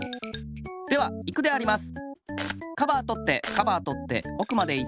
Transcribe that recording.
ではいくであります。